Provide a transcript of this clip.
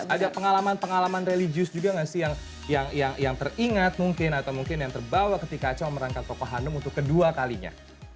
ada pengalaman pengalaman religius juga nggak sih yang teringat mungkin atau mungkin yang terbawa ketika aco merangkat tokoh hanum untuk kedua kalinya